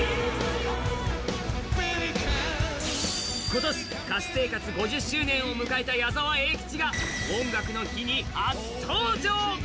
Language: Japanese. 今年、歌手生活５０周年を迎えた矢沢永吉が「音楽の日」に初登場。